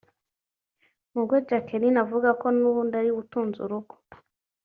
Mu bwo Jacqueline avuga ko n’ubundi ariwe utunze urugo